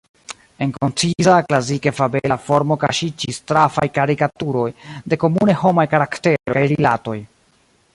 En konciza, klasike fabela formo kaŝiĝis trafaj karikaturoj de komune homaj karakteroj kaj rilatoj.